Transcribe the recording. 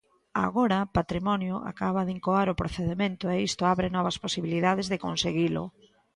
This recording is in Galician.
Agora, Patrimonio acaba de incoar o procedemento e isto abre novas posibilidades de conseguilo.